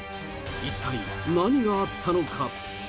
一体何があったのか。